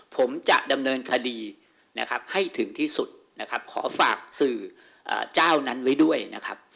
ผมจะดำเนินคดีนะครับให้ถึงที่สุดนะครับขอฝากสื่อเจ้านั้นไว้ด้วยนะครับ